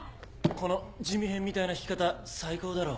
このジミヘンみたいな弾き方最高だろ？